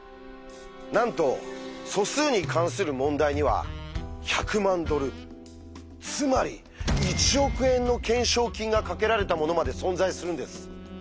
なんと素数に関する問題には１００万ドルつまり１億円の懸賞金がかけられたものまで存在するんです。